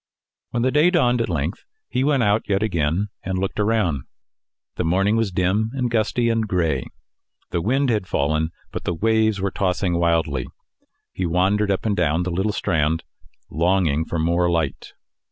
When the day dawned at length, he went out yet again, and looked around. The morning was dim and gusty and gray. The wind had fallen, but the waves were tossing wildly. He wandered up and down the little strand, longing for more light.